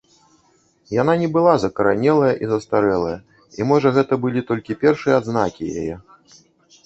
Яна не была закаранелая і застарэлая, і можа гэта былі толькі першыя адзнакі яе.